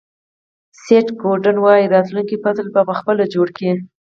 سیټ گودن وایي راتلونکی فصل په خپله جوړ کړئ.